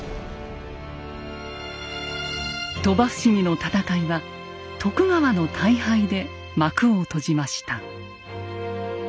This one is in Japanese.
鳥羽伏見の戦いは徳川の大敗で幕を閉じました。